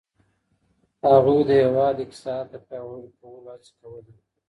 هغوی د هېواد اقتصاد د پياوړي کولو هڅي کولې.